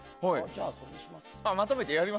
じゃあ、それにしますって。